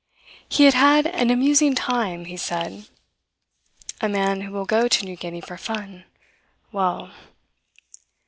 He had had an "amusing time," he said. A man who will go to New Guinea for fun well!